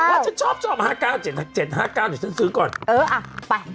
๕๗๕๙ว่าฉันชอบ๕๗๕๙เดี๋ยวฉันซื้อก่อนเอออ่ะไป